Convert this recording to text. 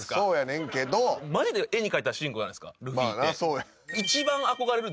マジで絵に描いた主人公じゃないですかルフィって。